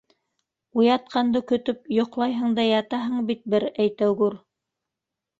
Уятҡанды көтөп йоҡлайһың да ятаһың бит, бер әйтәгүр.